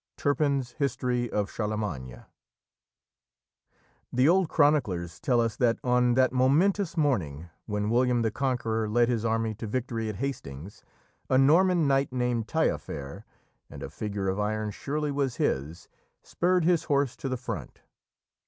Turpin's History of Charlemagne. The old chroniclers tell us that on that momentous morning when William the Conqueror led his army to victory at Hastings, a Norman knight named Taillefer (and a figure of iron surely was his) spurred his horse to the front.